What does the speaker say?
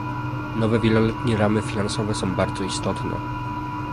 Nowe wieloletnie ramy finansowe są bardzo istotne